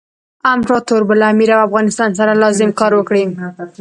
امپراطور به له امیر او افغانستان سره لازم کار وکړي.